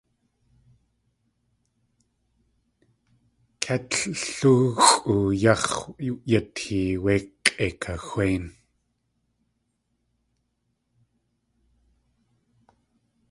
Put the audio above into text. Ketllóoxʼu yáx̲ yatee wé k̲ʼeikaxwéin.